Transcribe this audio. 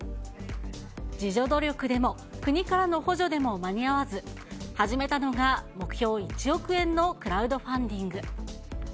自助努力でも国からの補助でも間に合わず、始めたのが目標１億円のクラウドファンディング。